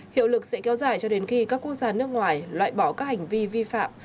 hiệu lực sẽ kéo dài cho đến khi các quốc gia nước ngoài loại bỏ các hành vi vi phạm